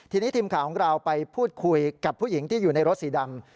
ทีนี้ทีมข่าวของเราไปพูดคุยกับผู้หญิงที่อยู่ในรถสีดำ